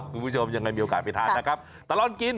คุณผู้ชมยังไงมีโอกาสไปทานนะครับตลอดกิน